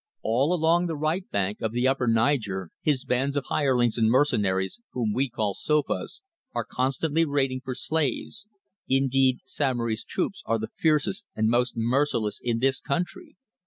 All along the right bank of the Upper Niger his bands of hirelings and mercenaries, whom we call Sofas, are constantly raiding for slaves. Indeed Samory's troops are the fiercest and most merciless in this country.